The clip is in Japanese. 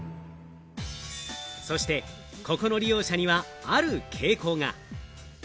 そしてここの利用者には、ある傾向が。